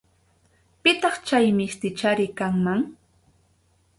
Pitaq chay mistichari kanman.